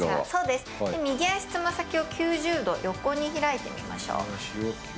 右足爪先を９０度横に開いていきましょう。